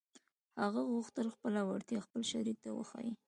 هغه غوښتل خپله وړتيا خپل شريک ته وښيي.